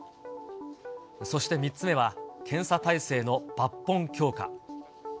そして３つ目は、検査体制の抜本強化。